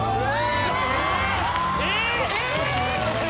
えっ！？